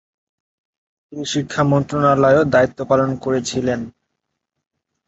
তিনি শিক্ষা মন্ত্রণালয়েও দায়িত্ব পালন করেছিলেন।